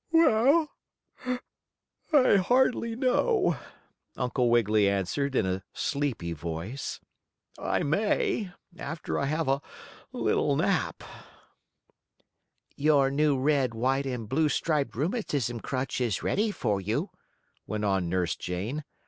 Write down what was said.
Well, I hardly know," Uncle Wiggily answered, in a sleepy voice. "I may, after I have a little nap." "Your new red, white and blue striped rheumatism crutch is ready for you," went on Nurse Jane.